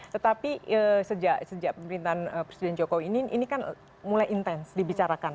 tetapi sejak pemerintahan presiden jokowi ini ini kan mulai intens dibicarakan